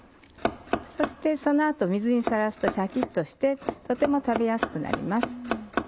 そしてその後水にさらすとシャキっとしてとても食べやすくなります。